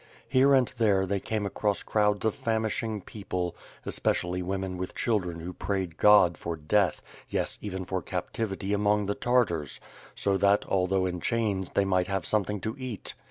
Here and there, they came across crowds of famishing people, espe cially women with children who prayed God for death, yes, even for captivity among the Tartars; so that, although in chains, they might have something to eat.